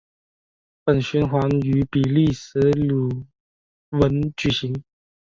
本循环于比利时鲁汶举行。